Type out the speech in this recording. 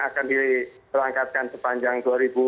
akan dilangkatkan sepanjang